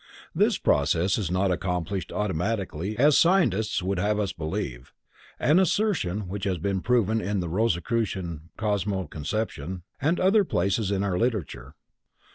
This process is not accomplished automatically as scientists would have us believe,—an assertion which has been proven in The Rosicrucian Cosmo Conception and other places in our literature.